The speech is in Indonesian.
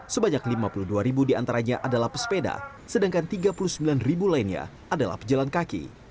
sebanyak lima puluh dua ribu diantaranya adalah pesepeda sedangkan tiga puluh sembilan ribu lainnya adalah pejalan kaki